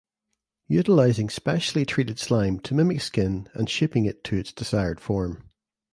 Utilizing specially treated slime to mimic skin and shaping it to its desired form.